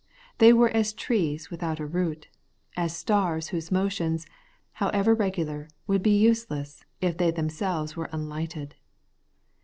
They were as trees without a root ; as stars whose motions, however regular, would be useless, if they themselves were unlighted.